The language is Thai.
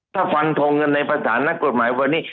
ถ้าฟันทงกันในภาษานักกฎหมายวันนี้